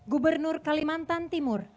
gubernur kalimantan timur